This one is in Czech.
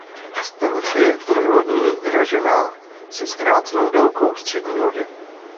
Stanice je trojlodní ražená se zkrácenou délkou střední lodě.